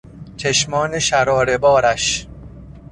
چشمان شراره بارش!